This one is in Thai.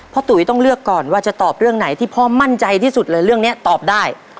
ตุ๋ยต้องเลือกก่อนว่าจะตอบเรื่องไหนที่พ่อมั่นใจที่สุดเลยเรื่องนี้ตอบได้